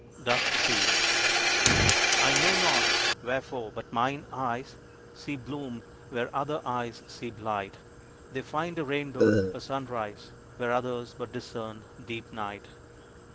DUST SEALED. I know not wherefore, but mine eyes See bloom, where other eyes see blight. They find a rainbow, a sunrise, Where others but discern deep night.